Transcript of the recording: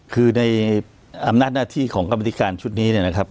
คือในอำนาจหน้าที่ของกรรมธิการชุดนี้เนี่ยนะครับ